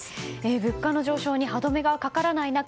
物価の上昇に歯止めがかからない中